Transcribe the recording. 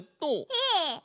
ええ？